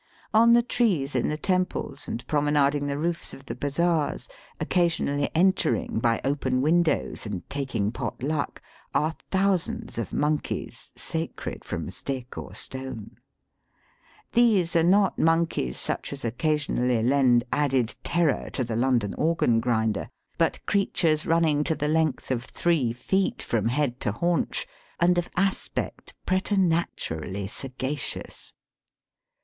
On the . trees in the temples and promenading the roofs of the bazaars, occa Digitized by VjOOQIC THE HOLY CITY. 205 sionally entering by open windows and taking pot luck, are thousands of monkeys sacred from stick or stone. These are not monkeys such as occasionally lend added terror to the London organ grinder, but creatures running to the length of three feet from head to haunch, and of aspect pretematurally saga cious.